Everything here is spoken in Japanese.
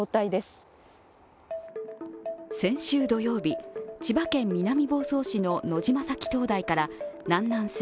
先週土曜日、千葉県南房総市の野島埼灯台から南南西